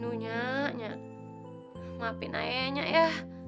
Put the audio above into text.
nuh nyat maafin ayahnya ya